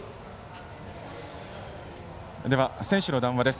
では選手の談話です。